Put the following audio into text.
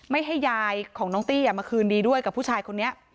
ให้ยายของน้องตี้มาคืนดีด้วยกับผู้ชายคนนี้